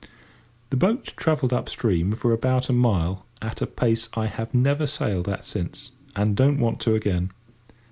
The boat travelled up stream for about a mile at a pace I have never sailed at since, and don't want to again.